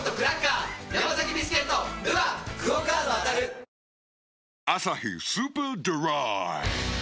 ニトリ「アサヒスーパードライ」